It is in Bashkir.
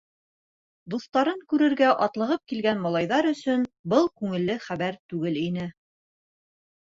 Дуҫтарын күрергә атлығып килгән малайҙар өсөн был күңелле хәбәр түгел ине.